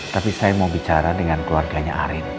tapi saya mau bicara dengan keluarganya arin